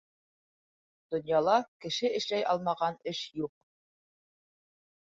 Донъяла кеше эшләй алмаған эш юҡ.